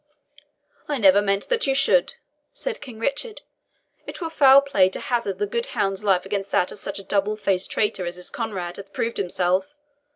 "I never meant that you should," said King Richard; "it were foul play to hazard the good hound's life against that of such a double faced traitor as this Conrade hath proved himself.